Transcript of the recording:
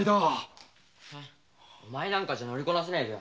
お前なんかじゃ乗りこなせねえよ。